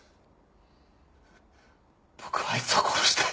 僕はあいつを殺したい。